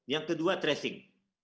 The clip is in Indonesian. yang kedua tracing